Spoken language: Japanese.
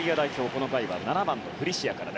この回は７番のフリシアから。